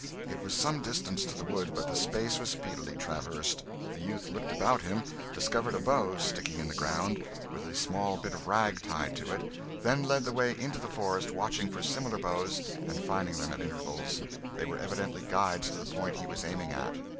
It was some distance to the wood, but the space was speedily traversed. The youth looked about him, discovered a bough sticking in the ground, with a small bit of rag tied to it, then led the way into the forest, watching for similar boughs and finding them at intervals; they were evidently guides to the point he was aiming at.